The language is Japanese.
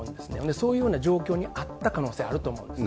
そういうような状況にあった可能性、あると思うんですね。